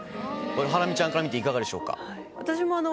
これハラミちゃんから見ていかがでしょうか？